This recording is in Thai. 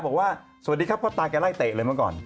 บอกว่าสวัสดีครับพ่อตาแกไล่เตะเลยเมื่อก่อน